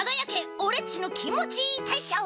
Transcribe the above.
オレっちのきんもちいーたいしょう」